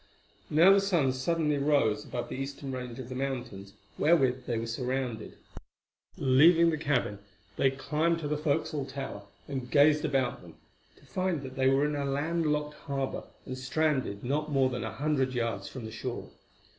Now the sun rose suddenly above the eastern range of the mountains wherewith they were surrounded. Leaving the cabin, they climbed to the forecastle tower and gazed about them, to find that they were in a land locked harbour, and stranded not more than a hundred yards from the shore.